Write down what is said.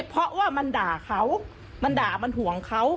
เพราะว่ามันด่าเขามันด่ามันห่วงเขา